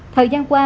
thời gian qua